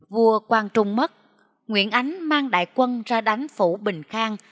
vua quang trung mất nguyễn ánh mang đại quân ra đánh phủ bình khang